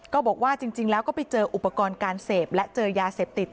ก็บอกว่าจริงแล้วก็ไปเจออุปกรณ์การเสพและเจอยาเสพติด